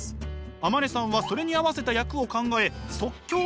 天希さんはそれに合わせた役を考え即興で演技。